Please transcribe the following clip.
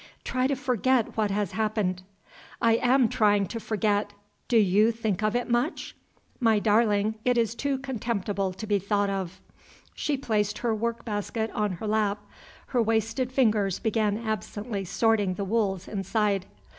"Try to forget what has happened." "I am trying to forget. Do you think of it much?" "My darling, it is too contemptible to be thought of." She placed her work basket on her lap. Her wasted fingers began absently sorting the wools inside.